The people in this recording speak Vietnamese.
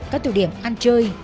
các tựa điểm ăn chơi